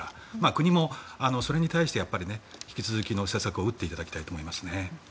国もそれに対して引き続き策を打っていただきたいと思いますね。